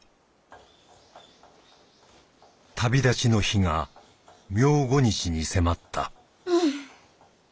旅立ちの日が明後日に迫ったはあ。